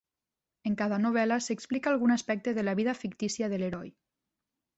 En cada novel·la s'explica algun aspecte de la vida fictícia de Leroy.